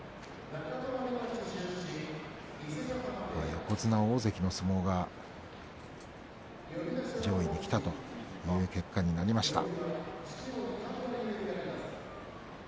横綱、大関の相撲が上位にきたという結果になりました。